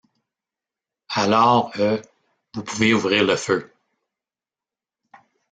Alors, euh, vous pouvez ouvrir le feu.